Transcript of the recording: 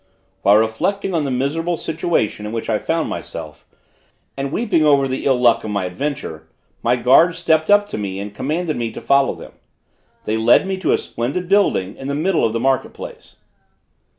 While reflecting on the miserable situation in which I found myself, and weeping over the ill luck of my adventure, my guards stepped up to me and commanded me to follow them. They led me to a splendid building in the middle of the market place.